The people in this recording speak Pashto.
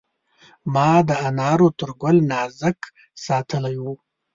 ما د انارو تر ګل نازک ساتلی و.